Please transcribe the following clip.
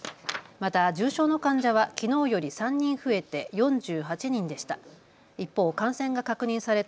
また重症の患者はきのうより３人増えて４８人でした。